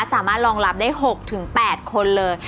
สามารถรองรับได้๖๘คนเลย